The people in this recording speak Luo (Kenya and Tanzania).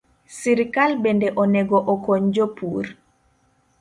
Sirkal bende onego okony jopur